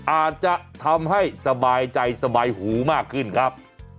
อาจจะทำให้สบายใจสบายหูมากขึ้นครับ